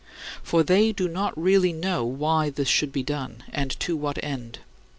For they do not really know why this should be done, and to what end.